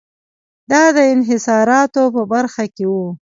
دا د انحصاراتو په برخه کې و.